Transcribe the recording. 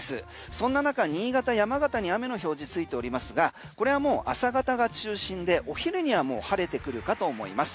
そんな中、新潟、山形に雨の表示ついておりますがこれはもう朝方が中心でお昼にはもう晴れてくるかと思います。